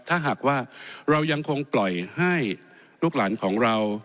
ถ้าหากว่าเรายังคงปล่อยให้ลูกหลานของเรา